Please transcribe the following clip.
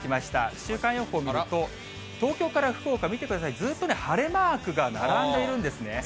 週間予報を見ると、東京から福岡、見てください、ずっとね、晴れマークが並んでいるんですね。